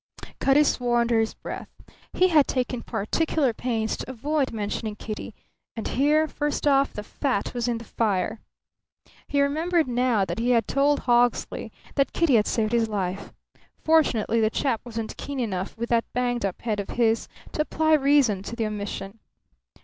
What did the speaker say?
Cutty swore under his breath. He had taken particular pains to avoid mentioning Kitty; and here, first off, the fat was in the fire. He remembered now that he had told Hawksley that Kitty had saved his life. Fortunately, the chap wasn't keen enough with that banged up head of his to apply reason to the omission.